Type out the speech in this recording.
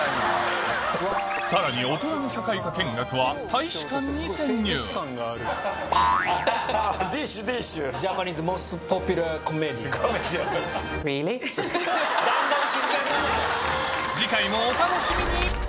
さらに大人の社会科見学は大使館に潜入次回もお楽しみに！